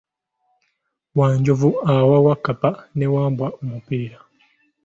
Wanjovu awa Wakkapa ne Wambwa omupiira.